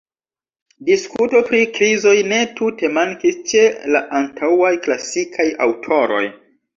Diskuto pri krizoj ne tute mankis ĉe la antaŭaj klasikaj aŭtoroj.